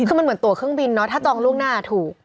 คือมันเหมือนตัวเครื่องบินเนาะถ้าจองล่วงหน้าถูก